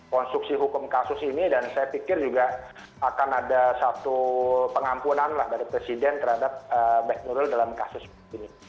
konstruksi hukum kasus ini dan saya pikir juga akan ada satu pengampunan lah dari presiden terhadap baik nuril dalam kasus ini